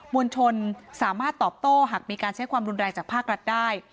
วลชนสามารถตอบโต้หากมีการใช้ความรุนแรงจากภาครัฐได้